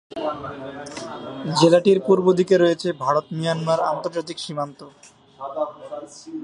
জেলাটির পূর্ব দিকে রয়েছে ভারত-মিয়ানমার আন্তর্জাতিক সীমান্ত।